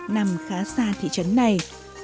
nằm khá xa thị trấn này